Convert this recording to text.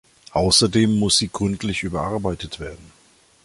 Außerdem muss sie gründlich überarbeitet werden.